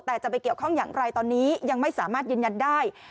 แต่จะไปเกี่ยวข้องอย่างไรตอนนี้ยังไม่สามารถยืนยันได้